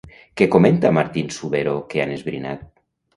Què comenta Martín-Subero que han esbrinat?